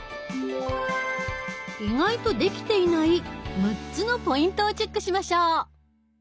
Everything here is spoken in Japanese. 意外とできていない６つのポイントをチェックしましょう！